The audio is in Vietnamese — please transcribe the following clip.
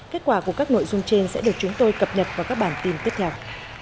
kết quả của các nội dung trên sẽ được chúng tôi cập nhật vào các bản tin tiếp theo